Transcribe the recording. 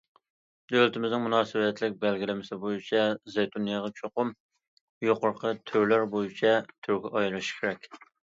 دۆلىتىمىزنىڭ مۇناسىۋەتلىك بەلگىلىمىسى بويىچە زەيتۇن يېغى چوقۇم يۇقىرىقى تۈرلەر بويىچە تۈرگە ئايرىلىشى كېرەك.